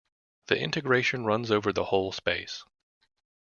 The integration runs over the whole space.